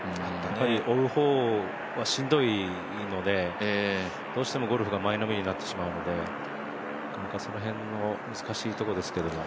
追う方は、しんどいので、どうしてもゴルフが前のめりになってしまうのでなかなかその辺は難しいところですけども。